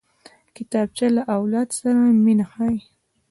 کتابچه له اولاد سره مینه ښيي